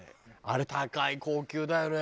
あれ高い高級だよね。